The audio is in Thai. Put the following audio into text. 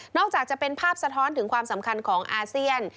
อกจากจะเป็นภาพสะท้อนถึงความสำคัญของอาเซียน